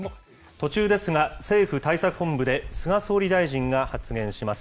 途中ですが、政府対策本部で菅総理大臣が発言します。